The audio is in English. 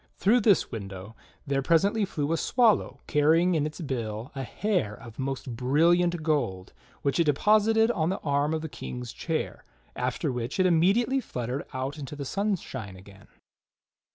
Through this window there presently flew a swallow carrying in its bill a hair of TRISTRAM, THE FOREST KNIGHT 73 most brilliant gold, which it deposited on the arm of the King's chair, after which it immediately fluttered out into the sunshine again.